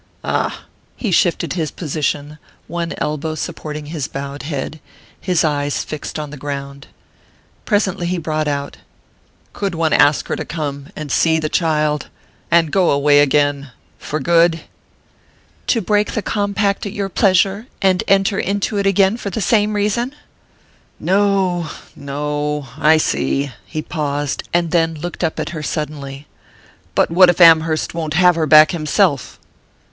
"Ah " He shifted his position, one elbow supporting his bowed head, his eyes fixed on the ground. Presently he brought out: "Could one ask her to come and see the child and go away again for good?" "To break the compact at your pleasure, and enter into it again for the same reason?" "No no I see." He paused, and then looked up at her suddenly. "But what if Amherst won't have her back himself?"